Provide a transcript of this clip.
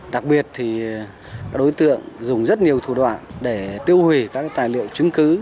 đặc biệt thì các đối tượng dùng rất nhiều thủ đoạn để tiêu hủy các tài liệu chứng cứ